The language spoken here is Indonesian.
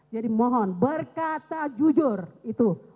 jadi mohon berkata jujur itu